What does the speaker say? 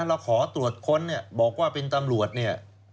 เราขอตรวจค้นเนี่ยบอกว่าเป็นตำรวจเนี่ย